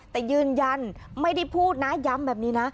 แต่ยืนยันไม่ได้พูดนะย้ำแบบนี้นะ